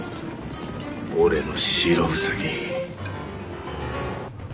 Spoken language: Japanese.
俺の白兎。